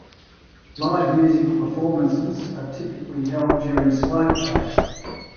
Live musical performances are typically held during Slope Day.